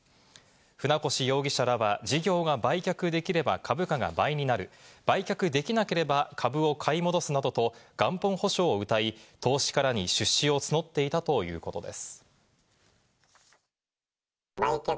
船越容疑者らは、事業が売却できれば株価が倍になる、売却できなければ株を買い戻すなどと元本保証をうたい、投資家らに出資を募っていたということです。